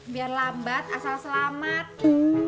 biar lambat asal selamat